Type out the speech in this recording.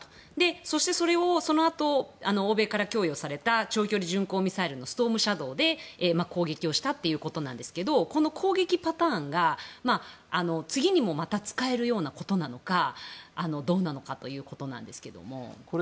そして、それをそのあと欧米から供与された長距離巡行ミサイルのストームシャドーで攻撃をしたということなんですけどもこの攻撃パターンが次にもまた使えるようなことなのかどうなのかということなんですけども。